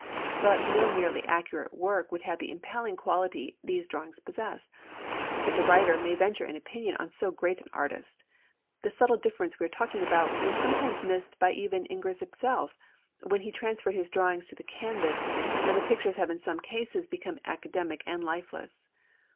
But no merely accurate work would have the impelling quality these drawings possess. If the writer may venture an opinion on so great an artist, the subtle difference we are talking about was sometimes missed by even Ingres himself, when he transferred his drawings to the canvas; and the pictures have in some cases become academic and lifeless.